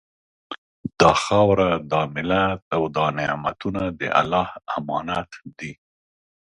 دا خاوره، دا ملت او دا نعمتونه د الله امانت دي